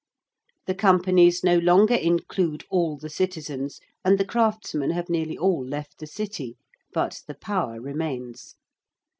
The Companies no longer include all the citizens, and the craftsmen have nearly all left the City. But the power remains.